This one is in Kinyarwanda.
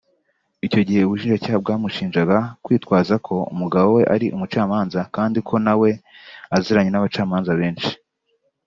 Icyo gihe ubushinjacyaha bwamushinjaga kwitwaza ko umugabo we ari umucamanza kandi ko na we aziranye n’abacamanza benshi